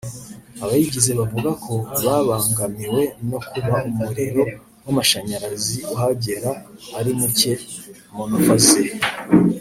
Abayigize bavuga ko babangamiwe no kuba umuriro w’amashanyarazi uhagera ari muke(monophase)